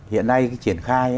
hiện nay cái triển khai